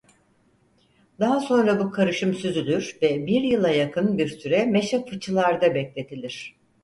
Daha sonra bu karışım süzülür ve bir yıla yakın bir süre meşe fıçılarda bekletilir.